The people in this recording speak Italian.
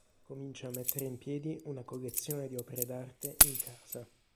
Comincia a mettere in piedi una collezione di opere d'arte in casa.